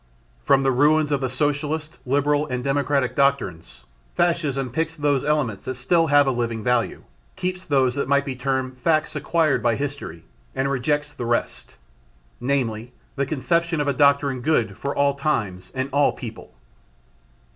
From the ruins of the socialist, liberal and democratic doctrines, Fascism picks those elements that still have a living value; keeps those that might be termed "facts acquired by history," and rejects the rest: namely the conception of a doctrine good for all times and all people.